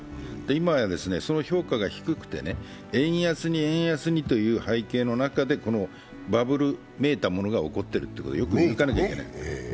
今やその評価が低くて円安に、円安にという背景の中でこのバブルめいたものが起こってることを見抜かなきゃいけない。